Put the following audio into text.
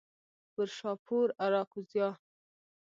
پورشاپور، آراکوزیا